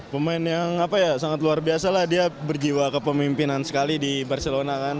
pemain yang sangat luar biasa lah dia berjiwa kepemimpinan sekali di barcelona kan